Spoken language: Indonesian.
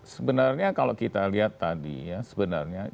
sebenarnya kalau kita lihat tadi ya sebenarnya